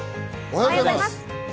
おはようございます。